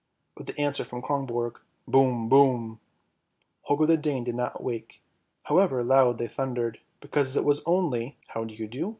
" with the answer from Kronborg, " boom, boom." Holger the Dane did not wake, however loud they thundered, because it was only " how do you do!